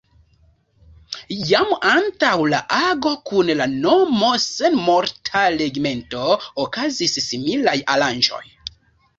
Jam antaŭ la ago kun la nomo „Senmorta regimento” okazis similaj aranĝoj.